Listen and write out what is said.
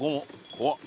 怖っ。